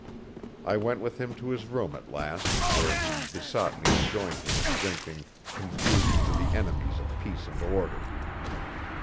I went with him to his room at last, where he besought me to join him in drinking 'confusion to the enemies of peace and order'.